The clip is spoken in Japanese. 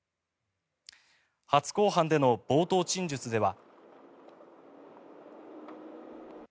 初公判での冒頭陳述では。